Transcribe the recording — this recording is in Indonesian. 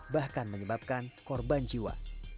bahkan menyebabkan korban jiwa